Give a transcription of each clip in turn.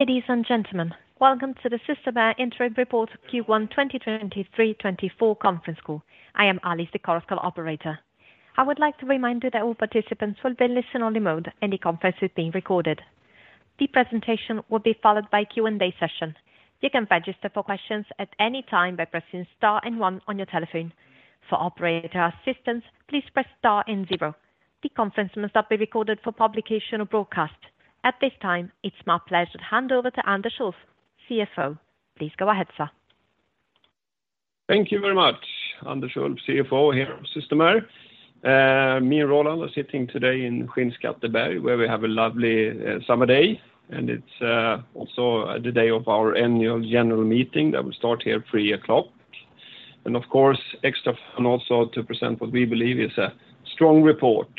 Ladies and gentlemen, Welcome to the Systemair Interim Report Q1 2023/2024 conference call. I am Alice, the call operator. I would like to remind you that all participants will be in listen-only mode, and the conference is being recorded. The presentation will be followed by a Q&A session. You can register for questions at any time by pressing star and one on your telephone. For operator assistance, please press star and zero. The conference must not be recorded for publication or broadcast. At this time, it's my pleasure to hand over to Anders Ulff, CFO. Please go ahead, sir. Thank you very much. Anders Ulff, CFO here of Systemair. Me and Roland are sitting today in Skinnskatteberg, where we have a lovely summer day, and it's also the day of our annual general meeting that will start here at 3:00 P.M. Of course, extra and also to present what we believe is a strong report.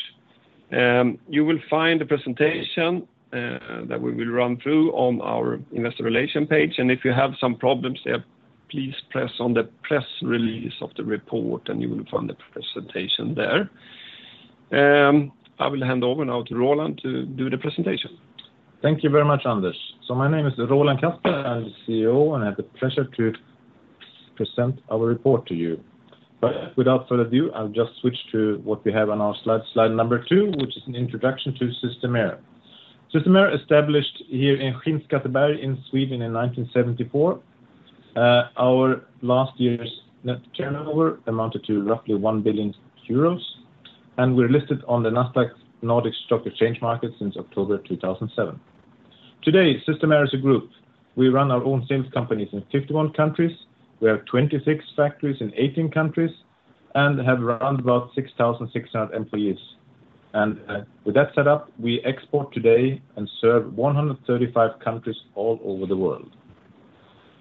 You will find the presentation that we will run through on our investor relations page, and if you have some problems there, please press on the press release of the report, and you will find the presentation there. I will hand over now to Roland to do the presentation. Thank you very much, Anders. So my name is Roland Kasper, I'm the CEO, and I have the pleasure to present our report to you. But without further ado, I'll just switch to what we have on our slide, slide 2, which is an introduction to Systemair. Systemair established here in Skinnskatteberg in Sweden in 1974. Our last year's net turnover amounted to roughly 1 billion euros, and we're listed on the Nasdaq Nordic stock exchange market since October 2007. Today, Systemair is a group. We run our own sales companies in 51 countries. We have 26 factories in 18 countries and have around about 6,600 employees. With that setup, we export today and serve 135 countries all over the world.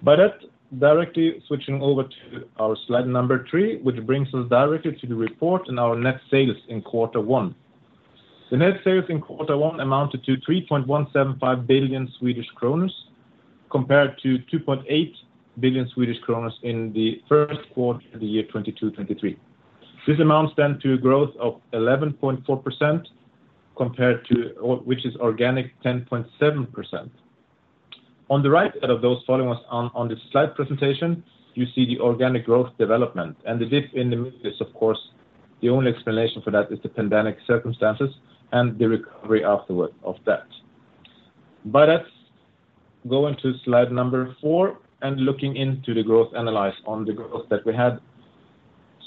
By that, directly switching over to our slide 3, which brings us directly to the report and our net sales in quarter one. The net sales in quarter one amounted to 3.175 billion Swedish kronor, compared to 2.8 billion Swedish kronor in the first quarter of the year 2022, 2023. This amounts then to a growth of 11.4% compared to... Or which is organic 10.7%. On the right side of those following us on, on this slide presentation, you see the organic growth development and the dip in the middle is, of course, the only explanation for that is the pandemic circumstances and the recovery afterward of that. But let's go into slide 4 and looking into the growth analysis on the growth that we had.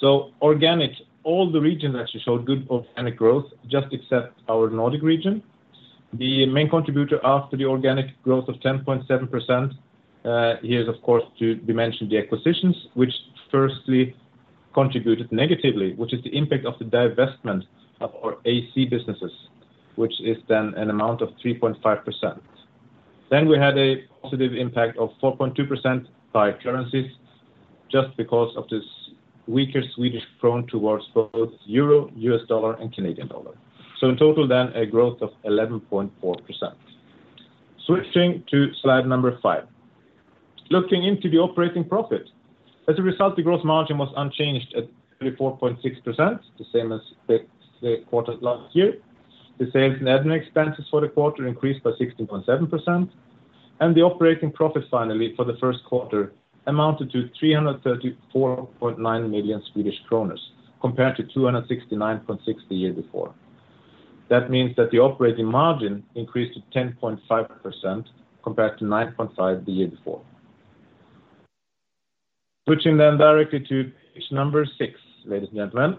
So organic, all the regions actually showed good organic growth, just except our Nordic region. The main contributor after the organic growth of 10.7%, here is, of course, to dimension the acquisitions, which firstly contributed negatively, which is the impact of the divestment of our AC businesses, which is then an amount of 3.5%. Then we had a positive impact of 4.2% by currencies, just because of this weaker Swedish krona towards both euro, U.S. dollar, and Canadian dollar. So in total, then, a growth of 11.4%. Switching to slide 5. Looking into the operating profit. As a result, the gross margin was unchanged at 34.6%, the same as the quarter last year. The sales and admin expenses for the quarter increased by 16.7%, and the operating profit, finally, for the first quarter, amounted to 334.9 million Swedish kronor, compared to 269.6 the year before. That means that the operating margin increased to 10.5%, compared to 9.5% the year before. Switching then directly to page 6, ladies and gentlemen.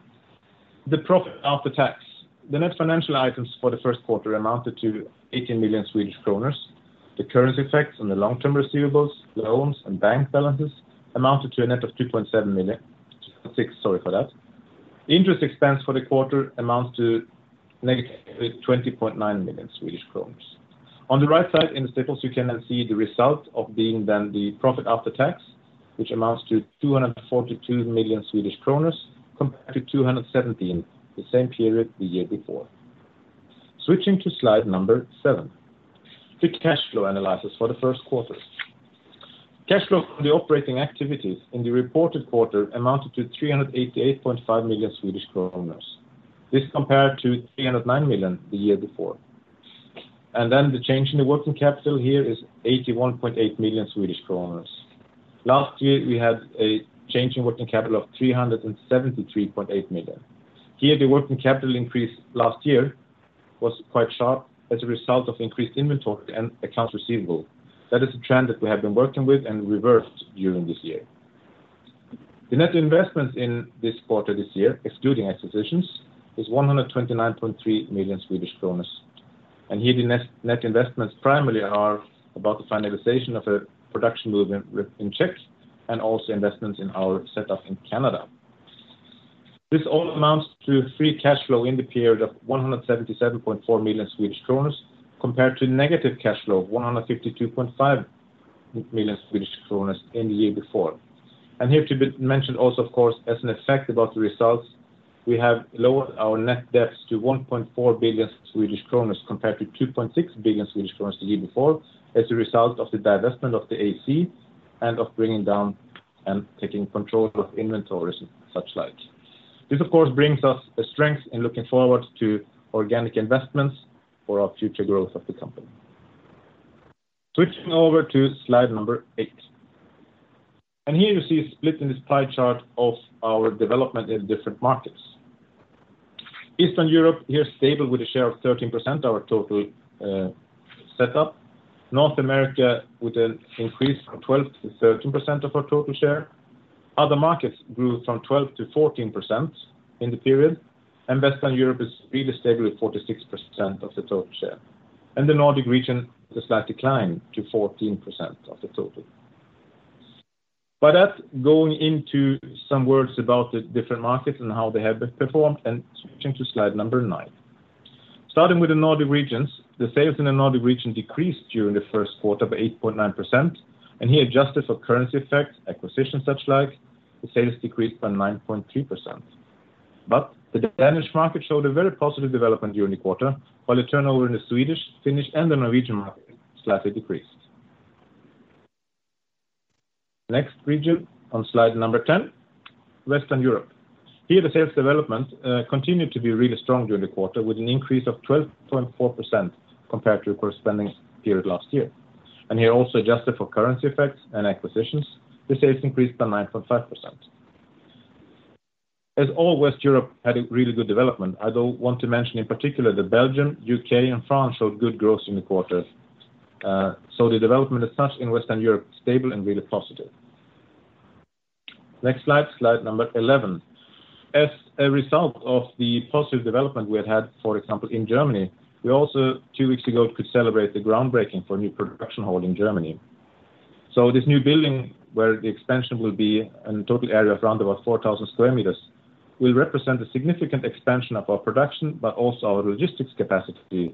The profit after tax. The net financial items for the first quarter amounted to 18 million Swedish kronor. The currency effects on the long-term receivables, loans, and bank balances amounted to a net of 2.76 million. Interest expense for the quarter amounts to -20.9 million Swedish kronor. On the right side, in the staples, you can then see the result of being then the profit after tax, which amounts to 242 million Swedish kronor, compared to 217 million, the same period the year before. Switching to slide 7. The cash flow analysis for the first quarter. Cash flow from the operating activities in the reported quarter amounted to 388.5 million Swedish kronor. This compared to 309 million the year before. And then the change in the working capital here is 81.8 million Swedish kronor. Last year, we had a change in working capital of 373.8 million. Here, the working capital increase last year was quite sharp as a result of increased inventory and accounts receivable. That is a trend that we have been working with and reversed during this year. The net investments in this quarter, this year, excluding acquisitions, is 129.3 million Swedish kronor. And here, the net, net investments primarily are about the finalization of a production movement in Czech, and also investments in our setup in Canada. This all amounts to free cash flow in the period of 177.4 million Swedish kronor, compared to negative cash flow of 152.5 million Swedish kronor in the year before. And here to be mentioned also, of course, as an effect about the results, we have lowered our net debts to 1.4 billion Swedish kronor, compared to 2.6 billion Swedish kronor the year before, as a result of the divestment of the AC and of bringing down and taking control of inventories and such like. This of course, brings us a strength in looking forward to organic investments for our future growth of the company. Switching over to slide 8, and here you see a split in the pie chart of our development in different markets. Eastern Europe, here stable with a share of 13% of our total set up. North America with an increase from 12%-13% of our total share. Other markets grew from 12%-14% in the period, and Western Europe is really stable at 46% of the total share, and the Nordic region, a slight decline to 14% of the total. By that, going into some words about the different markets and how they have been performed, and switching to slide 9. Starting with the Nordic regions, the sales in the Nordic region decreased during the first quarter of 8.9%, and here adjusted for currency effects, acquisition, such like, the sales decreased by 9.2%. But the Danish market showed a very positive development during the quarter, while the turnover in the Swedish, Finnish, and the Norwegian market slightly decreased. Next region on slide 10, Western Europe. Here, the sales development continued to be really strong during the quarter, with an increase of 12.4% compared to corresponding period last year. Here, also adjusted for currency effects and acquisitions, the sales increased by 9.5%. As all Western Europe had a really good development, I don't want to mention, in particular, the Belgium, UK, and France showed good growth in the quarter. So the development as such in Western Europe, stable and really positive. Next slide, slide 11. As a result of the positive development we had had, for example, in Germany, we also, two weeks ago, could celebrate the groundbreaking for a new production hall in Germany. So this new building, where the expansion will be in a total area of around about 4,000 square meters, will represent a significant expansion of our production, but also our logistics capacity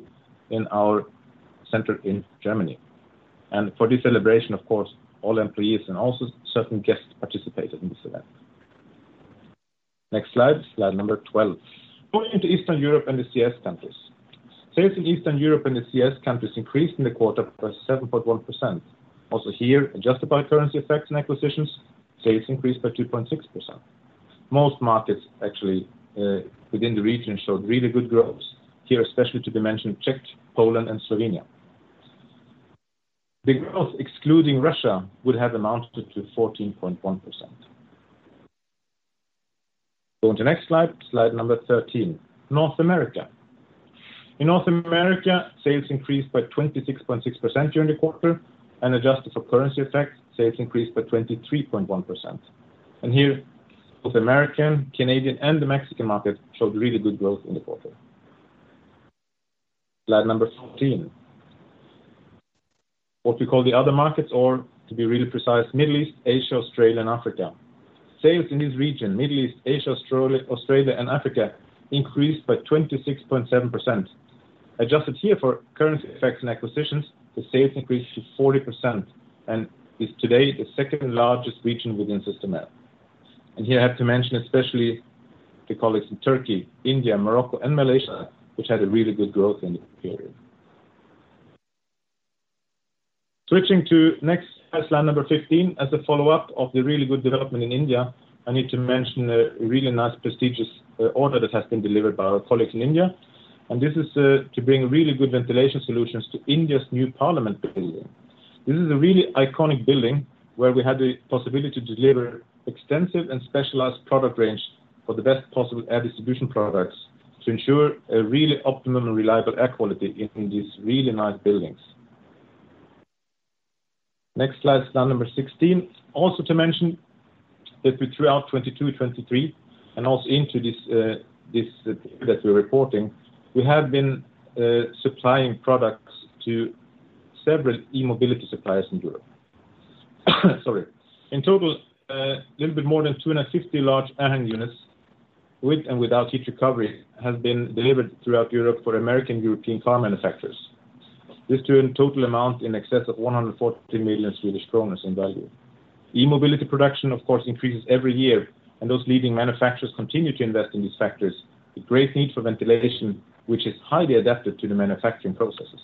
in our center in Germany. And for this celebration, of course, all employees and also certain guests participated in this event. Next slide, slide 12. Going into Eastern Europe and the CIS countries. Sales in Eastern Europe and the CIS countries increased in the quarter by 7.1%. Also here, adjusted by currency effects and acquisitions, sales increased by 2.6%. Most markets, actually, within the region showed really good growth. Here, especially Estonia, Czech, Poland, and Slovenia. The growth, excluding Russia, would have amounted to 14.1%. Go on to the next slide, slide 13, North America. In North America, sales increased by 26.6% during the quarter, and adjusted for currency effects, sales increased by 23.1%. And here, both American, Canadian, and the Mexican market showed really good growth in the quarter. slide 14. What we call the other markets, or to be really precise, Middle East, Asia, Australia, and Africa. Sales in this region, Middle East, Asia, Australia, and Africa, increased by 26.7%. Adjusted here for currency effects and acquisitions, the sales increased to 40% and is today the second largest region within Systemair. And here I have to mention, especially the colleagues in Turkey, India, Morocco, and Malaysia, which had a really good growth in this period. Switching to next slide, slide 15, as a follow-up of the really good development in India, I need to mention a really nice prestigious order that has been delivered by our colleagues in India, and this is to bring really good ventilation solutions to India's New Parliament Building. This is a really iconic building, where we had the possibility to deliver extensive and specialized product range for the best possible air distribution products to ensure a really optimum and reliable air quality in these really nice buildings. Next slide, slide 16. Also to mention that throughout 2022, 2023, and also into this that we're reporting, we have been supplying products to several e-mobility suppliers in Europe. Sorry. In total, a little bit more than 250 large air handling units, with and without heat recovery, has been delivered throughout Europe for American, European car manufacturers. This to a total amount in excess of 114 million Swedish kronor in value. E-mobility production, of course, increases every year, and those leading manufacturers continue to invest in these factories, the great need for ventilation, which is highly adapted to the manufacturing processes.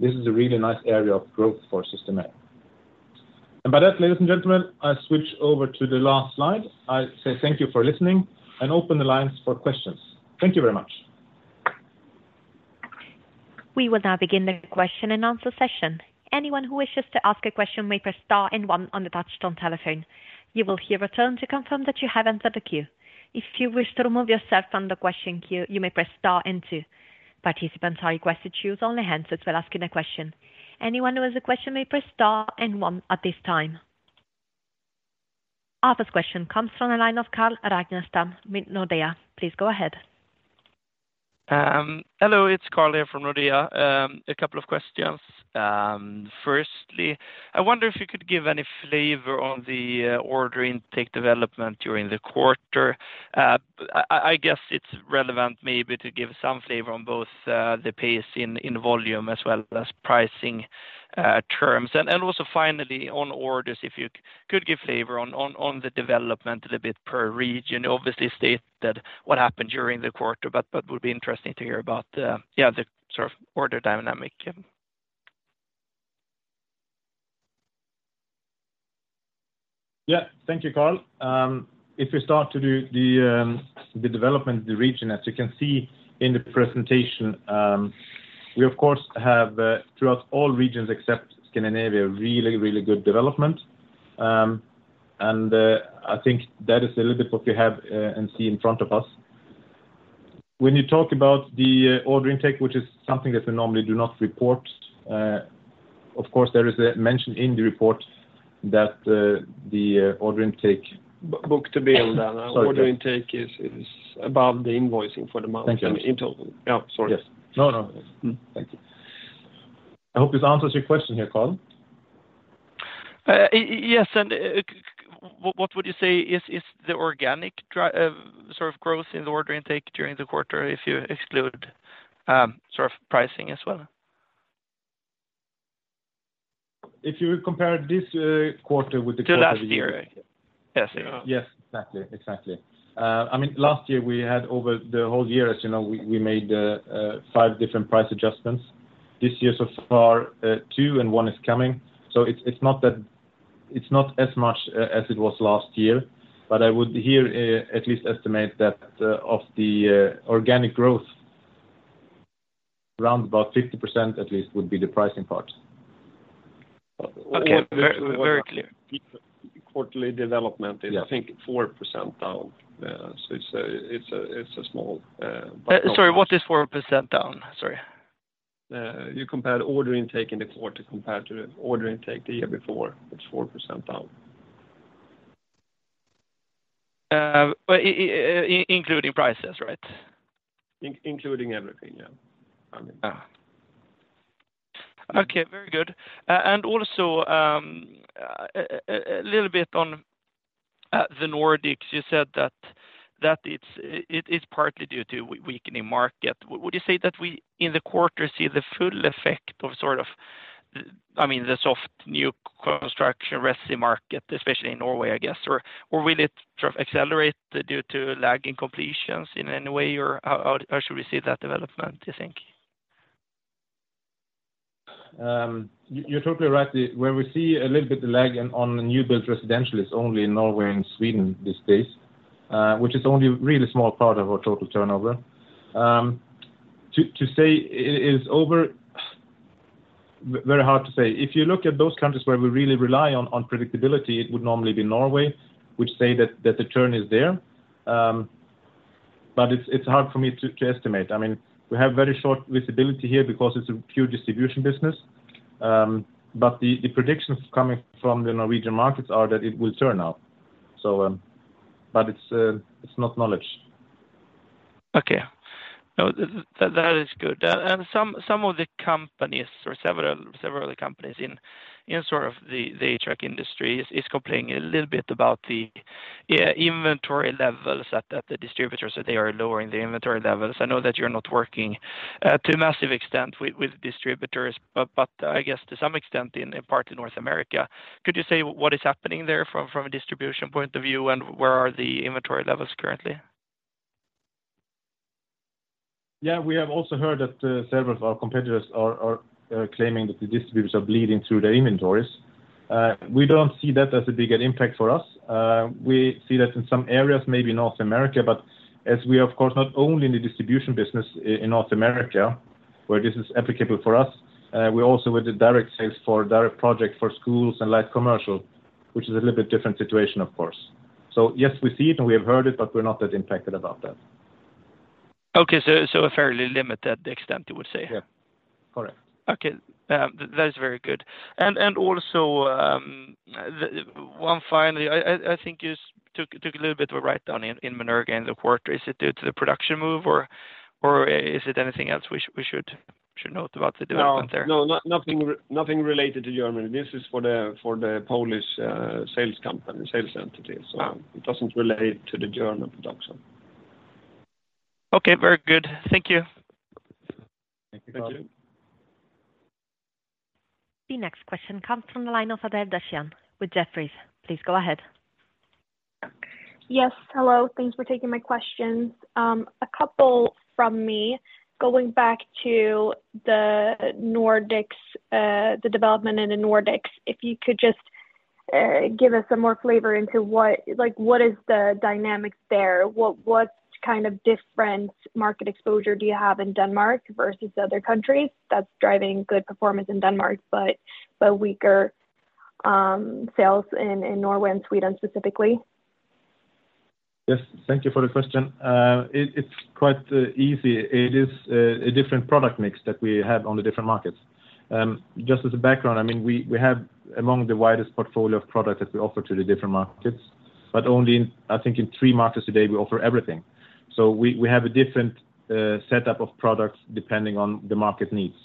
This is a really nice area of growth for Systemair. By that, ladies and gentlemen, I switch over to the last slide. I say thank you for listening and open the lines for questions. Thank you very much. We will now begin the question and answer session. Anyone who wishes to ask a question may press star and one on the touchtone telephone. You will hear a tone to confirm that you have entered the queue. If you wish to remove yourself from the question queue, you may press star and two. Participants are requested to use only handsets when asking a question. Anyone who has a question may press star and one at this time. Our first question comes from the line of Carl Ragnerstam with Nordea. Please go ahead. Hello, it's Carl here from Nordea. A couple of questions. Firstly, I wonder if you could give any flavor on the order intake development during the quarter. I guess it's relevant maybe to give some flavor on both the pace in volume as well as pricing terms. Also finally on orders, if you could give flavor on the development a little bit per region. Obviously, state that what happened during the quarter, but it would be interesting to hear about the sort of order dynamic? Yeah, thank you, Carl. If you start to do the development of the region, as you can see in the presentation, we, of course, have throughout all regions except Scandinavia, really, really good development. I think that is a little bit what we have and see in front of us. When you talk about the order intake, which is something that we normally do not report, of course, there is a mention in the report that the order intake- Book-to-bill. Sorry. The order intake is above the invoicing for the month. Thank you. In total. Yeah, sorry. Yes. No, no. Thank you. I hope this answers your question here, Carl. Yes, and what would you say is the organic growth in the order intake during the quarter if you exclude sort of pricing as well? If you compare this quarter with the quarter- To last year. Yes. Yes, exactly. Exactly. I mean, last year we had over the whole year, as you know, we made five different price adjustments. This year, so far, two and one is coming. So it's not that. It's not as much as it was last year, but I would here at least estimate that of the organic growth, around about 50%, at least, would be the pricing part. Okay. Very, very clear. Quarterly development- Yeah... is, I think, 4% down. So it's a small, but- Sorry, what is 4% down? Sorry. You compare the order intake in the quarter compared to the order intake the year before, it's 4% down. But including prices, right? Including everything, yeah. I mean. Ah. Okay, very good. And also, a little bit on the Nordics. You said that it's partly due to weakening market. Would you say that we, in the quarter, see the full effect of sort of, I mean, the soft new construction resi market, especially in Norway, I guess? Or will it sort of accelerate due to lagging completions in any way, or how should we see that development, do you think? You're totally right. Where we see a little bit lag on new build residential is only in Norway and Sweden these days, which is only a really small part of our total turnover. To say it is over... Very hard to say. If you look at those countries where we really rely on predictability, it would normally be Norway, which says that the turn is there. But it's hard for me to estimate. I mean, we have very short visibility here because it's a pure distribution business, but the predictions coming from the Norwegian markets are that it will turn out. So, but it's not knowledge. Okay. No, that is good. And some of the companies or several of the companies in sort of the HVAC industry is complaining a little bit about the inventory levels at the distributors, that they are lowering the inventory levels. I know that you're not working to a massive extent with distributors, but I guess to some extent in part in North America. Could you say what is happening there from a distribution point of view, and where are the inventory levels currently? Yeah, we have also heard that several of our competitors are claiming that the distributors are bleeding through their inventories. We don't see that as a bigger impact for us. We see that in some areas, maybe in North America, but as we, of course, not only in the distribution business in North America, where this is applicable for us, we also with the direct sales for direct project for schools and light commercial, which is a little bit different situation, of course. So yes, we see it, and we have heard it, but we're not that impacted about that. Okay, so a fairly limited extent, you would say? Yeah, correct. Okay. That is very good. Also, one final, I think you took a little bit of a write-down in Menerga in the quarter. Is it due to the production move or is it anything else we should note about the development there? No, no, no, nothing related to Germany. This is for the, for the Polish sales company, sales entity. Ah. So it doesn't relate to the German production. Okay, very good. Thank you. Thank you, Carl. Thank you. The next question comes from the line of Adela Dashian with Jefferies. Please go ahead. Yes, hello. Thanks for taking my questions. A couple from me. Going back to the Nordics, the development in the Nordics, if you could just give us some more flavor into what—like, what is the dynamics there? What kind of different market exposure do you have in Denmark versus other countries that's driving good performance in Denmark, but weaker sales in Norway and Sweden, specifically? Yes. Thank you for the question. It is quite easy. It is a different product mix that we have on the different markets. Just as a background, I mean, we have among the widest portfolio of products that we offer to the different markets, but only in, I think, in three markets today, we offer everything. So we have a different setup of products depending on the market needs.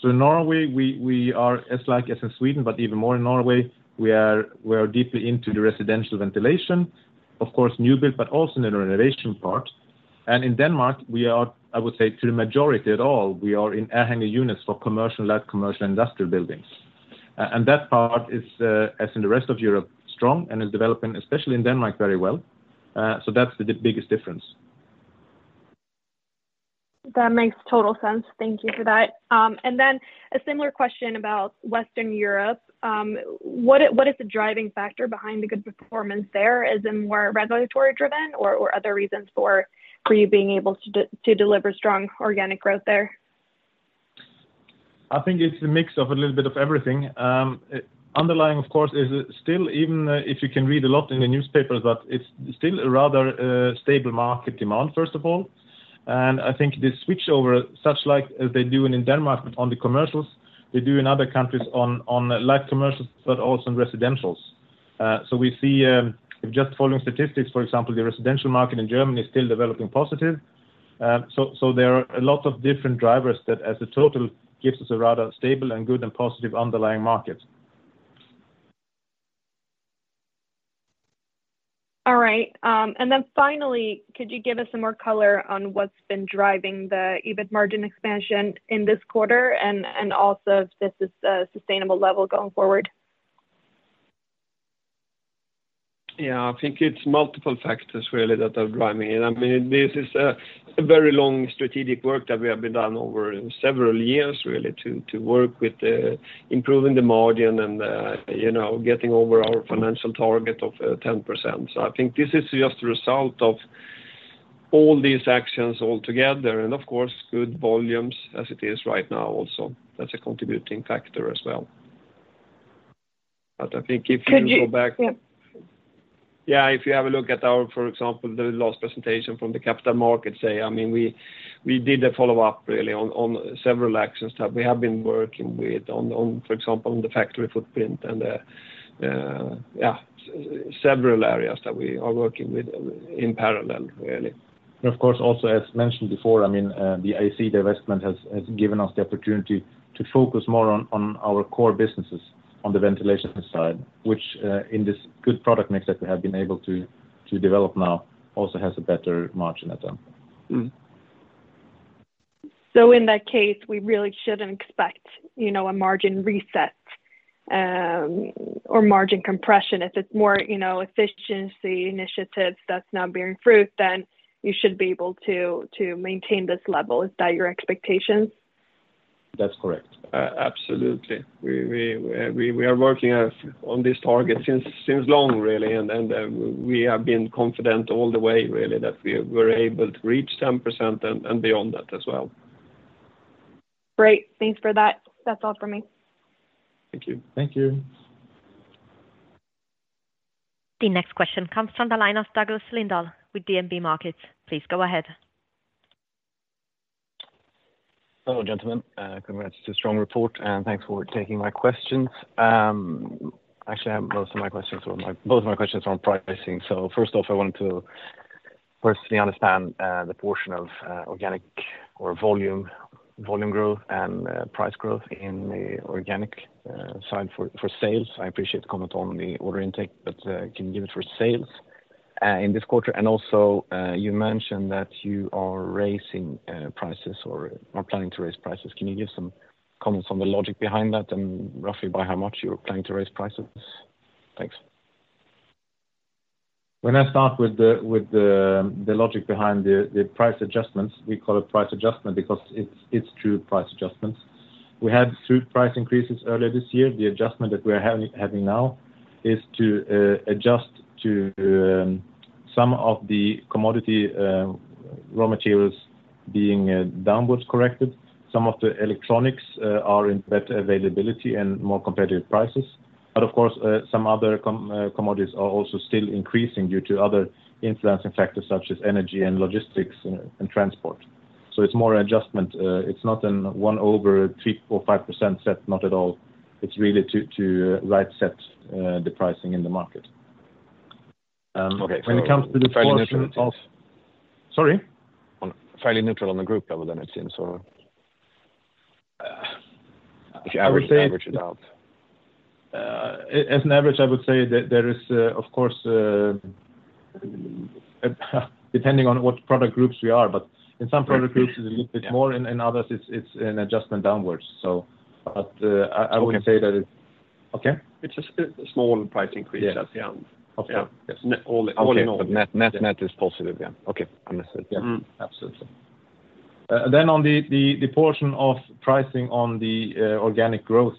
So in Norway, we are as like as in Sweden, but even more in Norway, we are deeply into the residential ventilation, of course, new build, but also in the renovation part. And in Denmark, we are, I would say, to the majority at all, we are in air handling units for commercial, like commercial industrial buildings. And that part is, as in the rest of Europe, strong and is developing, especially in Denmark, very well. So that's the biggest difference. ... That makes total sense. Thank you for that. And then a similar question about Western Europe. What is, what is the driving factor behind the good performance there? Is it more regulatory driven or, or other reasons for, for you being able to, to deliver strong organic growth there? I think it's a mix of a little bit of everything. Underlying, of course, is still, even if you can read a lot in the newspapers, but it's still a rather stable market demand, first of all. And I think the switchover, such like as they do in Denmark on the commercials, they do in other countries on light commercials, but also in residentials. So we see, just following statistics, for example, the residential market in Germany is still developing positive. So there are a lot of different drivers that as a total, gives us a rather stable and good and positive underlying market. All right. And then finally, could you give us some more color on what's been driving the EBIT margin expansion in this quarter and, and also if this is a sustainable level going forward? Yeah, I think it's multiple factors really that are driving it. I mean, this is a very long strategic work that we have been done over several years, really, to work with the improving the margin and, you know, getting over our financial target of 10%. So I think this is just a result of all these actions altogether, and of course, good volumes as it is right now also, that's a contributing factor as well. But I think if you go back- Could you...? Yep. Yeah, if you have a look at our, for example, the last presentation from the capital market, say, I mean, we did a follow-up really on several actions that we have been working with on, for example, on the factory footprint and the several areas that we are working with in parallel, really. Of course, also, as mentioned before, I mean, the AC divestment has, has given us the opportunity to focus more on, on our core businesses, on the ventilation side, which, in this good product mix that we have been able to, to develop now, also has a better margin at them. Mm-hmm. So in that case, we really shouldn't expect, you know, a margin reset or margin compression. If it's more, you know, efficiency initiatives that's now bearing fruit, then you should be able to maintain this level. Is that your expectations? That's correct. Absolutely. We are working as on this target since long, really, and we have been confident all the way, really, that we were able to reach 10% and beyond that as well. Great. Thanks for that. That's all for me. Thank you. Thank you. The next question comes from the line of Douglas Lindahl with DNB Markets. Please go ahead. Hello, gentlemen. Congrats to a strong report, and thanks for taking my questions. Actually, I have both of my questions are on pricing. So first off, I want to firstly understand the portion of organic or volume growth and price growth in the organic side for sales. I appreciate the comment on the order intake, but can you give it for sales in this quarter? And also, you mentioned that you are raising prices or are planning to raise prices. Can you give some comments on the logic behind that and roughly by how much you're planning to raise prices? Thanks. When I start with the logic behind the price adjustments, we call it price adjustment because it's true price adjustments. We had two price increases earlier this year. The adjustment that we're having now is to adjust to some of the commodity raw materials being downwards corrected. Some of the electronics are in better availability and more competitive prices. But of course, some other commodities are also still increasing due to other influencing factors such as energy and logistics and transport. So it's more an adjustment. It's not in 1 over 3, 4, 5% set, not at all. It's really to right set the pricing in the market. When it comes to the portion of- Fairly neutral it is. Sorry? I'm fairly neutral on the group level, then it seems, or? I would say- If you average, average it out. As an average, I would say that there is, of course, depending on what product groups we are, but in some product groups, it's a little bit more, in others, it's an adjustment downwards. So but, I would say that it... Okay. It's a small price increase at the end. Okay. Yes. All in all. Okay, but net, net is positive, yeah. Okay, understood. Mm-hmm. Absolutely. Then on the portion of pricing on the organic growth,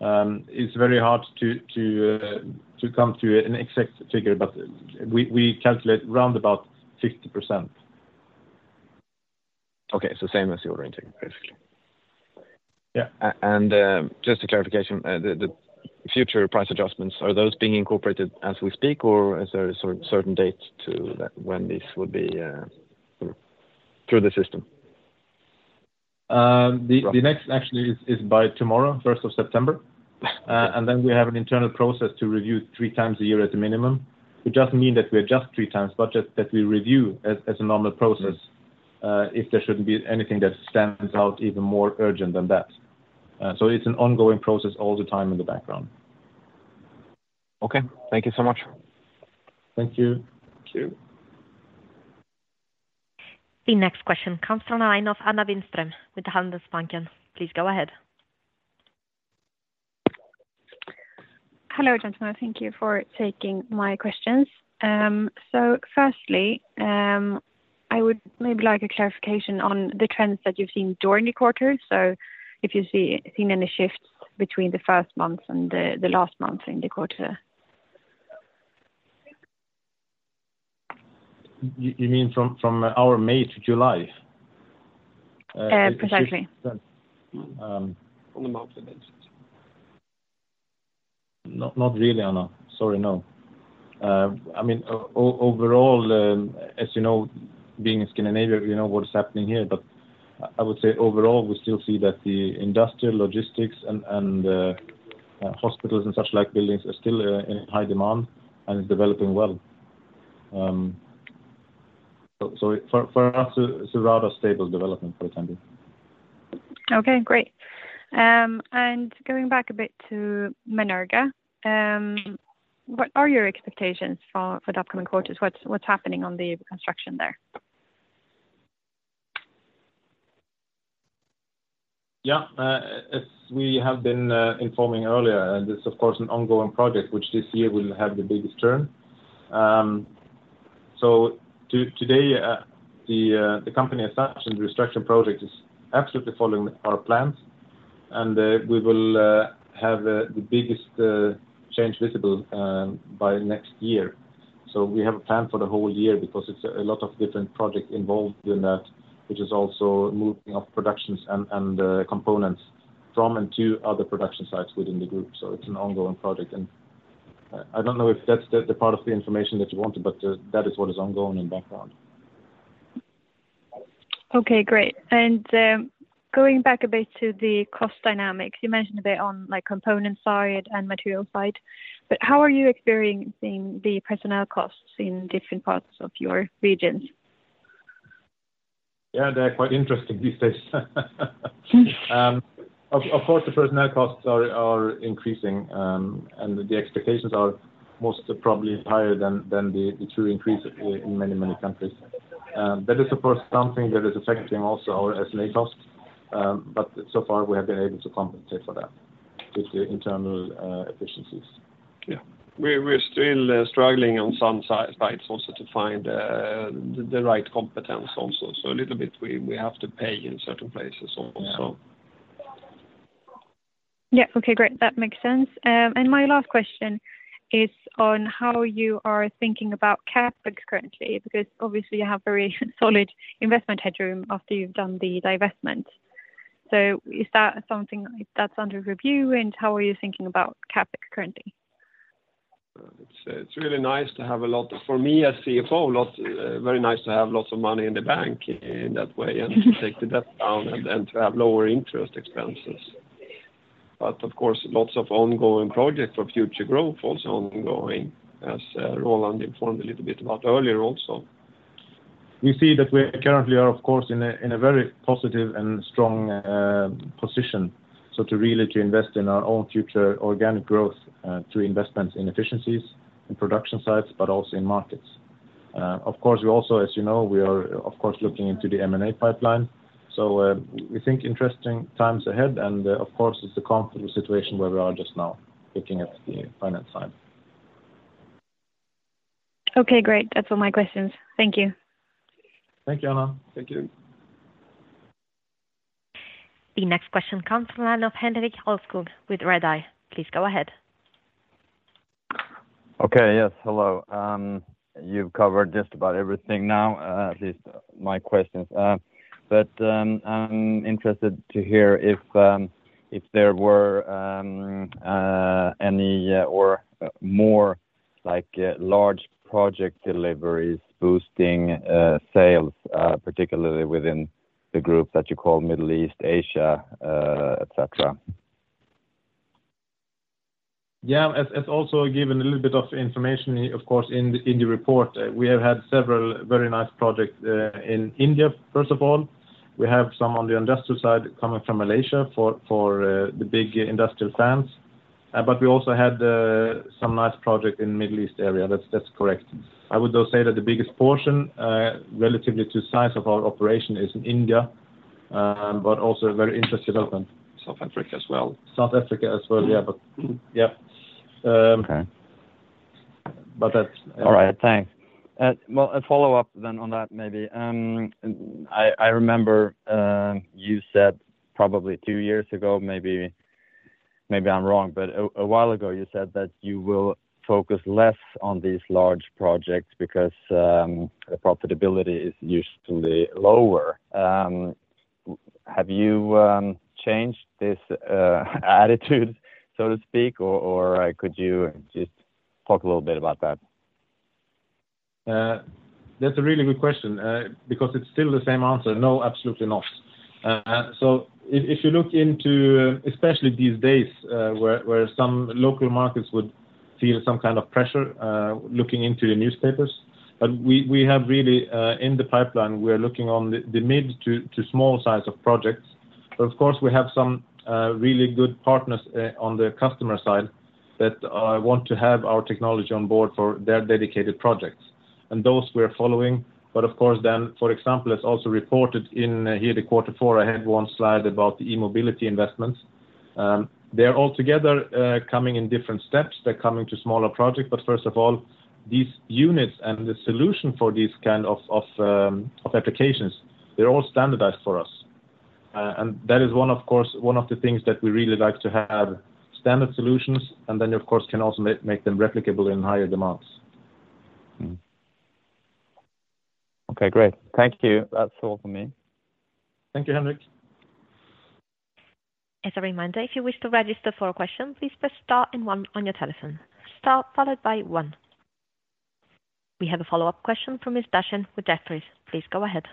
it's very hard to come to an exact figure, but we calculate around about 60%. Okay. So same as the order intake, basically? Yeah. Just a clarification, the future price adjustments—are those being incorporated as we speak, or is there a certain date to that when this would be through the system? The next actually is by tomorrow, 1st of September. And then we have an internal process to review 3x a year at a minimum, which doesn't mean that we adjust 3x, but just that we review as a normal process, if there shouldn't be anything that stands out even more urgent than that. So it's an ongoing process all the time in the background. Okay. Thank you so much. Thank you. Thank you. The next question comes from the line of Anna Lindström with Handelsbanken. Please go ahead.... Hello, gentlemen. Thank you for taking my questions. Firstly, I would maybe like a clarification on the trends that you've seen during the quarter. So if you've seen any shifts between the first month and the last month in the quarter? You mean from, from our May to July? Uh, precisely. From the month of May. No, not really, Anna. Sorry, no. I mean, overall, as you know, being in Scandinavia, you know what is happening here, but I would say overall, we still see that the industrial logistics and hospitals and such like buildings are still in high demand and is developing well. So, for us, it's a rather stable development for the time being. Okay, great. Going back a bit to Menerga, what are your expectations for the upcoming quarters? What's happening on the construction there? Yeah. As we have been informing earlier, and it's of course an ongoing project, which this year will have the biggest turn. So today, the company as such, and the restoration project is absolutely following with our plans, and we will have the biggest change visible by next year. So we have a plan for the whole year because it's a lot of different project involved in that, which is also moving of productions and components from and to other production sites within the group. So it's an ongoing project, and I don't know if that's the part of the information that you wanted, but that is what is ongoing in background. Okay, great. And, going back a bit to the cost dynamics, you mentioned a bit on, like, component side and material side, but how are you experiencing the personnel costs in different parts of your regions? Yeah, they are quite interesting these days. Of course, the personnel costs are increasing, and the expectations are most probably higher than the true increase in many, many countries. That is, of course, something that is affecting also our estimate costs, but so far we have been able to compensate for that with the internal efficiencies. Yeah. We're still struggling on some sides also to find the right competence also. So a little bit, we have to pay in certain places also. Yeah. Yeah. Okay, great. That makes sense. And my last question is on how you are thinking about CapEx currently, because obviously, you have very solid investment headroom after you've done the divestment. So is that something that's under review, and how are you thinking about CapEx currently? It's really nice to have a lot... For me, as CFO, very nice to have lots of money in the bank in that way, and to take the debt down and to have lower interest expenses. But of course, lots of ongoing projects for future growth, also ongoing, as Roland informed a little bit about earlier also. We see that we currently are, of course, in a very positive and strong position. So to really invest in our own future organic growth, to investments in efficiencies and production sites, but also in markets. Of course, we also, as you know, we are, of course, looking into the M&A pipeline, so we think interesting times ahead, and of course, it's a comfortable situation where we are just now looking at the finance side. Okay, great. That's all my questions. Thank you. Thank you, Anna. Thank you. The next question comes from the line of Henrik Alveskog with Redeye. Please go ahead. Okay. Yes, hello. You've covered just about everything now, at least my questions. But, I'm interested to hear if there were any or more like large project deliveries boosting sales, particularly within the group that you call Middle East, Asia, et cetera. Yeah. As also given a little bit of information, of course, in the report, we have had several very nice projects in India, first of all. We have some on the industrial side coming from Malaysia for the big industrial fans. But we also had some nice project in Middle East area. That's correct. I would, though, say that the biggest portion, relatively to size of our operation is in India, but also very interested open. South Africa as well. South Africa as well. Yeah, but, yeah. Okay. But that's- All right. Thanks. Well, a follow-up then on that, maybe. I remember you said probably two years ago, maybe—maybe I'm wrong, but a while ago you said that you will focus less on these large projects because the profitability is usually lower. Have you changed this attitude, so to speak, or could you just talk a little bit about that? That's a really good question, because it's still the same answer. No, absolutely not. So if you look into, especially these days, where some local markets would feel some kind of pressure, looking into the newspapers, but we have really, in the pipeline, we are looking on the mid to small size of projects. But of course, we have some really good partners on the customer side that want to have our technology on board for their dedicated projects. And those we are following, but of course, then, for example, it's also reported in here the quarter four, I had one slide about the E-mobility investments. They are all together coming in different steps. They're coming to smaller project. But first of all, these units and the solution for these kind of applications, they're all standardized for us. And that is, of course, one of the things that we really like to have standard solutions, and then, of course, can also make them replicable in higher demands. Okay, great. Thank you. That's all for me. Thank you, Henrik. As a reminder, if you wish to register for a question, please press Star and one on your telephone. Star, followed by one. We have a follow-up question from Ms. Dashian with Jefferies. Please go ahead.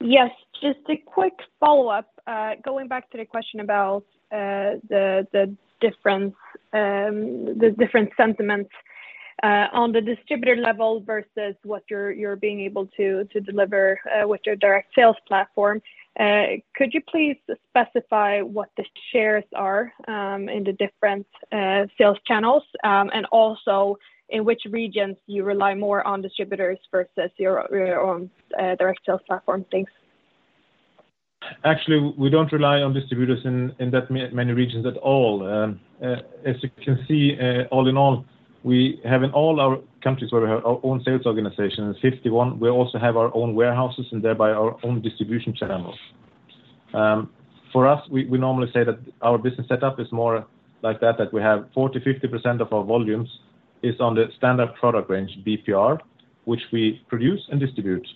Yes, just a quick follow-up. Going back to the question about the different sentiments on the distributor level versus what you're being able to deliver with your direct sales platform. Could you please specify what the shares are in the different sales channels and also in which regions you rely more on distributors versus your own direct sales platform? Thanks. Actually, we don't rely on distributors in that many regions at all. As you can see, all in all, we have in all our countries where we have our own sales organization, in 51, we also have our own warehouses and thereby our own distribution channels. For us, we normally say that our business setup is more like that, that we have 40%-50% of our volumes is on the standard product range, BPR, which we produce and distribute.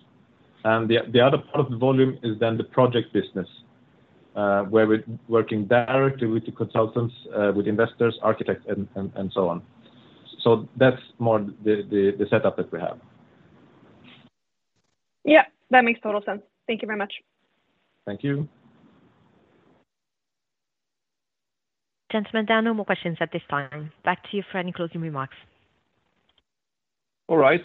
And the other part of the volume is then the project business, where we're working directly with the consultants, with investors, architects, and so on. So that's more the setup that we have. Yeah, that makes total sense. Thank you very much. Thank you. Gentlemen, there are no more questions at this time. Back to you for any closing remarks. All right.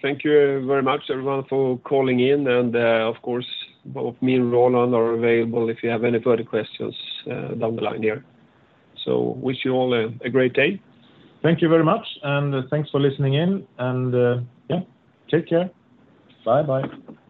Thank you very much, everyone, for calling in, and of course, both me and Roland are available if you have any further questions down the line here. So wish you all a great day. Thank you very much, and thanks for listening in. And, yeah, take care. Bye-bye.